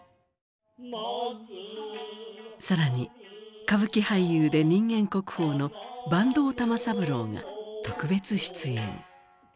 更に歌舞伎俳優で人間国宝の坂東玉三郎が特別出演。